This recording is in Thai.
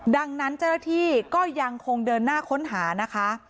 ดังนั้นเจ้าหน้าที่ก็ยังคงเดินหน้าค้นหานะคะ